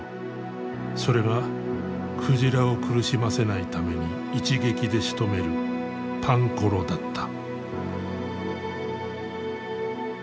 それが鯨を苦しませないために一撃でしとめるパンコロだった。